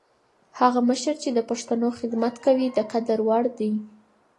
هغه مشر چي د پښتنو خدمت کوي، د قدر وړ دی.